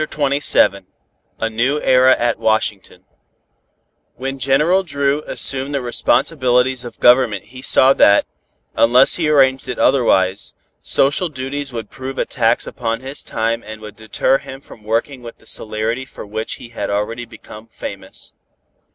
CHAPTER XXVII A NEW ERA AT WASHINGTON When General Dru assumed the responsibilities of Government he saw that, unless he arranged it otherwise, social duties would prove a tax upon his time and would deter him from working with that celerity for which he had already become famous.